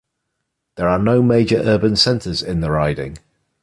There are no major urban centres in the riding.